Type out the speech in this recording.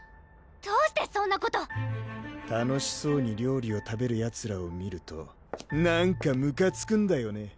どうしてそんなこと楽しそうに料理を食べるヤツらを見るとなんかむかつくんだよね